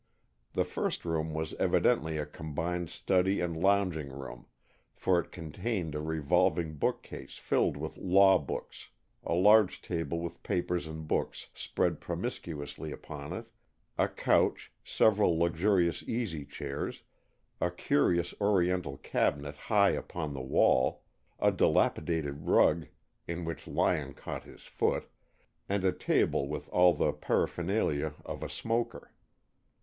The first room was evidently a combined study and lounging room, for it contained a revolving book case filled with law books, a large table with papers and books spread promiscuously upon it, a couch, several luxurious easy chairs, a curious oriental cabinet high upon the wall, a dilapidated rug in which Lyon caught his foot, and a table with all the paraphernalia of a smoker.